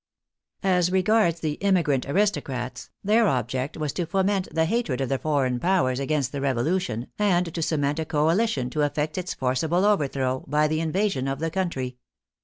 As regards the " emigrant " aristocrats, their object was to foment the hatred of the foreign Powers against the Revolution and to cement a coalition to effect its forcible overthrow by the invasion of the country.